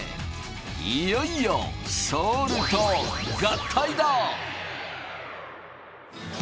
いよいよソールと合体だ！